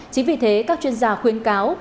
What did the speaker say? chính vì thế các chuyên gia khuyên cáo